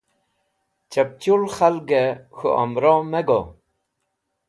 Chapchul khalgẽ k̃hũ hẽmro me go.